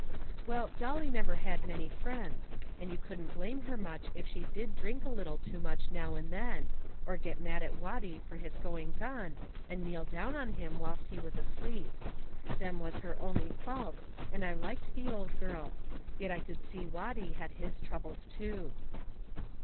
Well, Dolly never had many friends, and you couldn't blame her much if she did drink a little too much now and then, or get mad at Watty fur his goings on and kneel down on him whilst he was asleep. Them was her only faults and I liked the old girl. Yet I could see Watty had his troubles too.